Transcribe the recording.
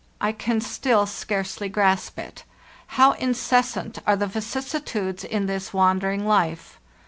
I can still scarcely grasp it. How incessant are the vicissitudes in this wandering life!